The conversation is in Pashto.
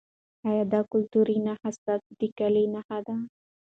ایا دا کلتوري نښه ستاسو د کلي نښه ده؟